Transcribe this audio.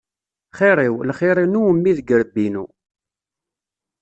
Xir-iw, lxir-inu mmi deg yirebbi-inu.